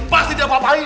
pasti dia ngapain